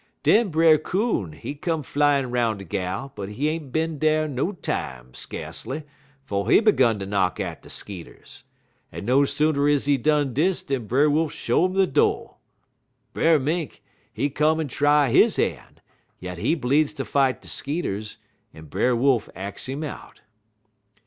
"Den Brer Coon, he come flyin' 'roun' de gal, but he ain't bin dar no time skacely 'fo' he 'gun ter knock at de skeeters; en no sooner is he done dis dan Brer Wolf show 'im de do'. Brer Mink, he come en try he han', yit he bleedz ter fight de skeeters, en Brer Wolf ax 'im out.